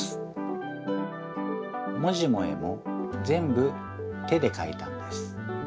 文字も絵もぜんぶ手でかいたんです。